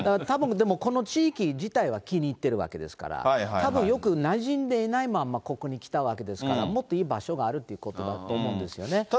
たぶん、でもこの地域自体は気に入ってるわけですから、たぶん、よくなじんでいないまんま、ここに来たわけですから、もっといい場所があるっていうことだと思うんですよね。